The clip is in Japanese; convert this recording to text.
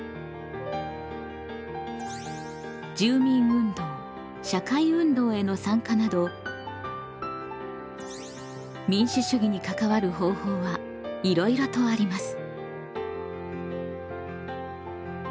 投票以外にもへの参加など民主主義に関わる方法はいろいろとあります。